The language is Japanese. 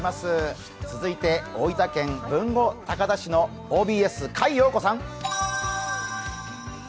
続いて大分県豊後高田市のＯＢＳ甲斐蓉子さん。